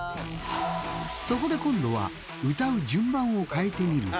そこで今度は歌う順番を変えてみると。